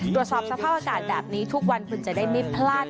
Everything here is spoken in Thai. ตรวจสอบสภาพอากาศแบบนี้ทุกวันคุณจะได้ไม่พลาด